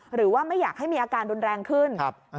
หรือว่าไม่อยากให้มีอาการรุนแรงขึ้น